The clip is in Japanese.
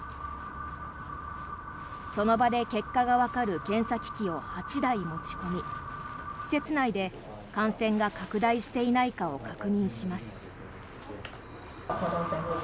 その場で結果がわかる検査機器を８台持ち込み施設内で感染が拡大していないかを確認します。